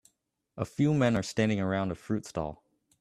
a few men are standing around a fruit stall